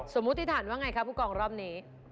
มติฐานว่าไงคะผู้กองรอบนี้